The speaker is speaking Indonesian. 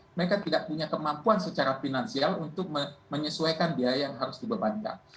mereka tidak punya kemampuan secara finansial untuk menyesuaikan biaya yang harus dibebankan